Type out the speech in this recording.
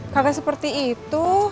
kagak seperti itu